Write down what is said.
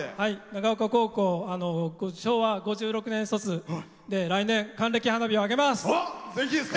長岡高校、昭和５６年卒で来年、還暦花火をあげます！